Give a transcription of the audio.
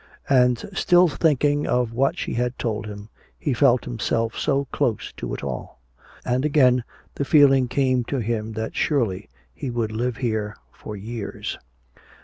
And still thinking of what she had told him, he felt himself so close to it all. And again the feeling came to him that surely he would live here for years.